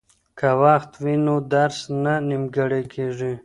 که وخت وي نو درس نه نیمګړی کیږي.